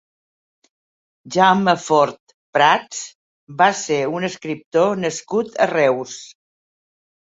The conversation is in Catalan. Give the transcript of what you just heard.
Jaume Fort Prats va ser un escriptor nascut a Reus.